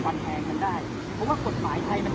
ตอนนี้กำหนังไปคุยของผู้สาวว่ามีคนละตบ